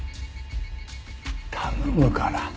頼むから。